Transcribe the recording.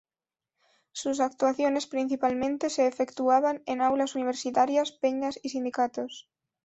Sus actuaciones principalmente se efectuaban en aulas universitarias, peñas y sindicatos.